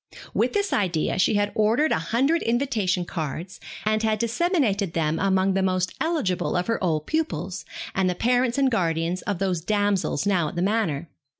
With this idea, she had ordered a hundred invitation cards, and had disseminated them among the most eligible of her old pupils, and the parents and guardians of those damsels now at the Manor.